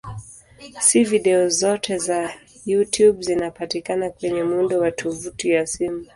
Si video zote za YouTube zinazopatikana kwenye muundo wa tovuti ya simu.